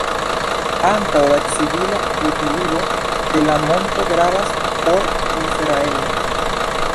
Ankaŭ la civila utiligo de la monto gravas por Israelo.